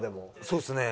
そうですね。